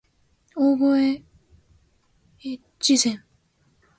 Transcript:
大岡越前